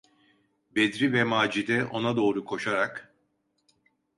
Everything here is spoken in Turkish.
Bedri ve Macide ona doğru koşarak: